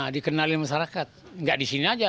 di kenalin masyarakat enggak di sini saja